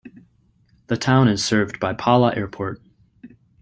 The town is served by Pala Airport.